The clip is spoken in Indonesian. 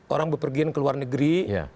orang berpergian ke luar negeri